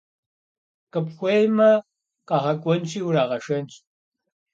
Къыпхуеймэ, къагъэкӀуэнщи урагъэшэнщ.